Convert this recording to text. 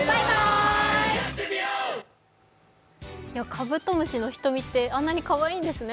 かぶとむしの瞳ってあんなにかわいらしいんですね。